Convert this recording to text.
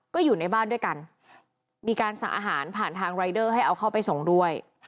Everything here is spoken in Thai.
ก็อยู่ในบ้านด้วยกันมีการสั่งอาหารผ่านทางรายเดอร์ให้เอาเข้าไปส่งด้วย